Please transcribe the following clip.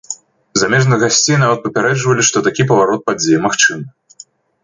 Замежных гасцей нават папярэджвалі, што такі паварот падзей магчымы.